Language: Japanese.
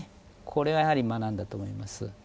これはやはり学んだと思います。